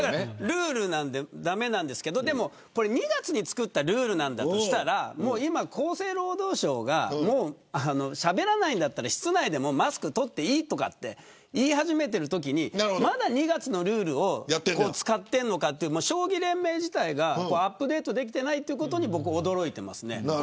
ルールだから駄目なんですけど２月に作ったルールなんだとしたら厚生労働省がしゃべらないなら室内でマスクを取っていいと言い始めている中でまだ２月のルールを使っているのかと将棋連盟自体がアップデートできていないということに驚いています。